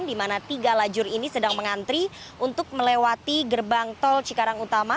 di mana tiga lajur ini sedang mengantri untuk melewati gerbang tol cikarang utama